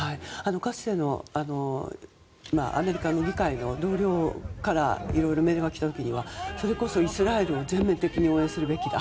かつてのアメリカの議会の同僚からいろいろメールが来た時はそれこそイスラエルを応援すべきだ